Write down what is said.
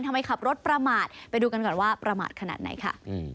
ขับรถประมาทไปดูกันก่อนว่าประมาทขนาดไหนค่ะ